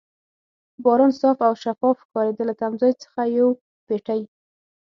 باران صاف او شفاف ښکارېده، له تمځای څخه یو پېټی.